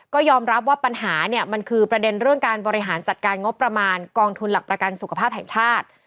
ก็ยอมรับว่าปัญหาเนี่ยมันคือประเด็นเรื่องการบริหารจัดการงบประมาณกองทุนหลักประกันสุขภาพแห่งชาติ